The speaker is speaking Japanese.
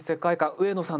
上野さん